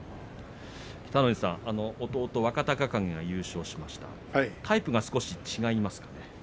北の富士さん弟、若隆景が優勝しましたタイプが少し違いますかね。